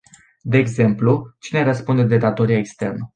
De exemplu cine răspunde de datoria externă.